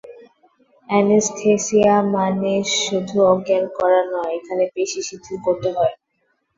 Anaesthesia মানেই শুধু অজ্ঞান করা নয়, এখানে পেশি শিথিল করতে হয়।